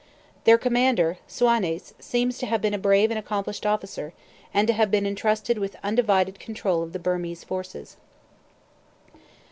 Their commander, Suanes, seems to have been a brave and accomplished officer, and to have been intrusted with undivided control of the Birmese forces.